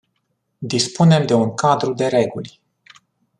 Dispunem de un cadru de reguli.